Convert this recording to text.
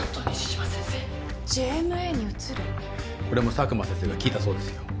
これも佐久間先生が聞いたそうですよ。